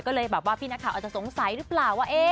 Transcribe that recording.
ก็เลยแบบว่าพี่นักข่าวอาจจะสงสัยหรือเปล่าว่า